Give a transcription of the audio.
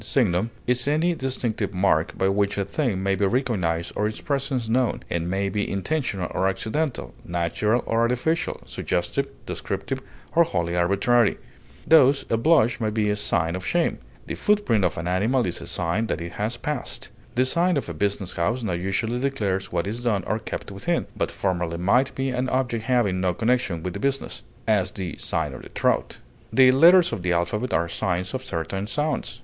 signum) is any distinctive mark by which a thing may be recognized or its presence known, and may be intentional or accidental, natural or artificial, suggestive, descriptive, or wholly arbitrary; thus, a blush may be a sign of shame; the footprint of an animal is a sign that it has passed; the sign of a business house now usually declares what is done or kept within, but formerly might be an object having no connection with the business, as "the sign of the trout;" the letters of the alphabet are signs of certain sounds.